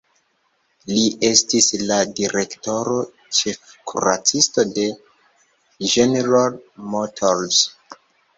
Li estis la direktoro, ĉefkuracisto de General Motors.